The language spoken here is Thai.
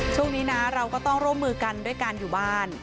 ช่วงนี้นะเราก็ต้องร่วมมือกันด้วยการอยู่บ้าน